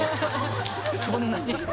そんなに？